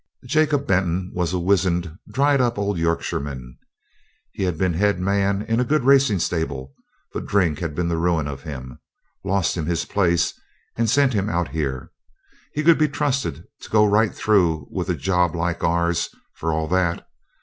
Jacob Benton was a wizened, dried up old Yorkshireman. He'd been head man in a good racing stable, but drink had been the ruin of him lost him his place, and sent him out here. He could be trusted to go right through with a job like ours, for all that.